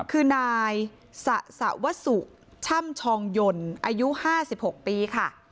คือนายสะสะวะสุกช่ำชองยนต์อายุห้าสิบหกปีค่ะ